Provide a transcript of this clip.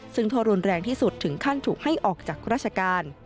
ซึ่งโทษรุนแรงที่สุดถึงขั้นถูกให้ออกจากราชการ